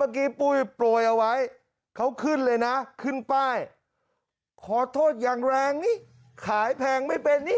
ปุ้ยโปรยเอาไว้เขาขึ้นเลยนะขึ้นป้ายขอโทษอย่างแรงนี่ขายแพงไม่เป็นนี่